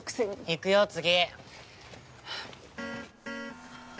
行くよ次。